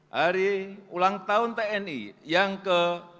hari ulang tahun tni yang ke tujuh puluh